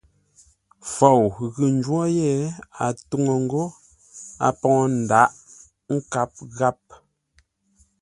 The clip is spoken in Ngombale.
Fou ghʉ ńjwó yé, ə́ ntúŋú ńgó a poŋə ńdǎghʼ nkâp gháp.